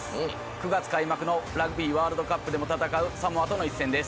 ９月開幕のラグビーワールドカップでも戦うサモアとの一戦です。